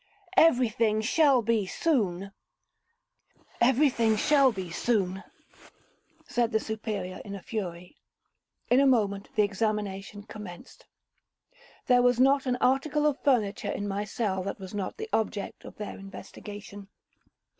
'Every thing shall be soon,' said the Superior in fury. In a moment the examination commenced. There was not an article of furniture in my cell that was not the object of their investigation.